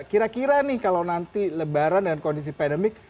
kira kira nih kalau nanti lebaran dengan kondisi pandemik